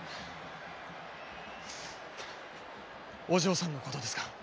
お嬢さんのことですか？